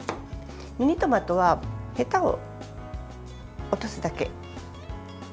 ミニトマトは、へたを落とすだけ。